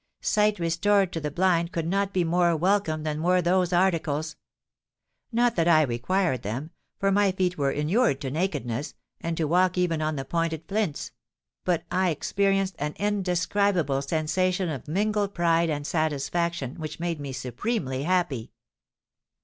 Sight restored to the blind could not be more welcome than were those articles. Not that I required them—for my feet were inured to nakedness, and to walk even on the pointed flints:—but I experienced an indescribable sensation of mingled pride and satisfaction which made me supremely happy.